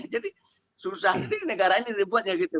jadi susah sih negaranya dibuatnya gitu